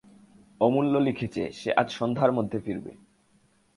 অমূল্য লিখেছে, সে আজ সন্ধ্যার মধ্যে ফিরবে।